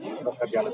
untuk kerja lebih baik